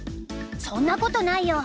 そんなことないよ。